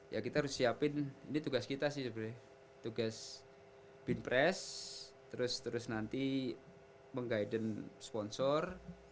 ya kita harus siapin ini tugas kita sih sebenernya tugas binpress terus terus nanti meng guiden sponsor